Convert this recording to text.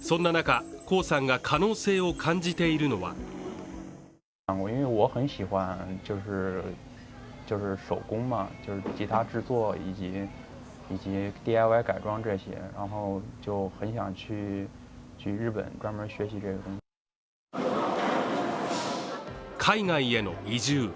そんな中黄さんが可能性を感じているのは海外への移住